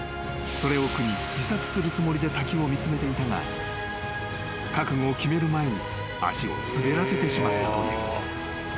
［それを苦に自殺するつもりで滝を見つめていたが覚悟を決める前に足を滑らせてしまったという］